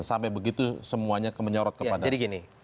sampai begitu semuanya menyorot kepada